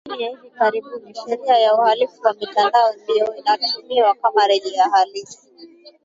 lakini ya hivi karibuni Sheria ya Uhalifu wa Mitandao ndiyo inatumiwa kama rejea halisi